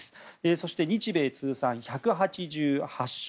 そして、日米通算１８８勝。